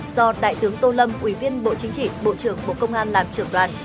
do đại tướng tô lâm ủy viên bộ chính trị bộ trưởng bộ công an làm trưởng đoàn